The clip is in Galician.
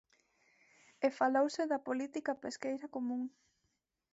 E falouse da política pesqueira común.